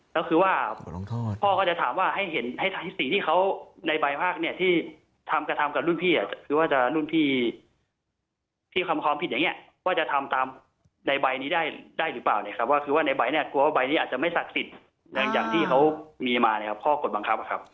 ก็คือว่าพ่อก็จะถามว่าให้เห็นให้สิ่งที่เขาในใบภาคเนี่ยที่ทำกระทำกับรุ่นพี่คือว่าจะรุ่นพี่ที่ทำความผิดอย่างนี้ว่าจะทำตามในใบนี้ได้หรือเปล่าเนี่ยครับว่าคือว่าในใบเนี่ยกลัวว่าใบนี้อาจจะไม่ศักดิ์สิทธิ์อย่างที่เขามีมานะครับข้อกฎบังคับครับ